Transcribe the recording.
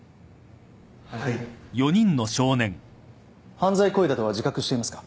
犯罪行為だとは自覚していますか？